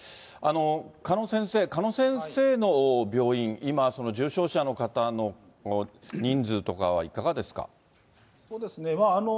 鹿野先生、鹿野先生の病院、今、重症者の方の人数とかはいかがですか。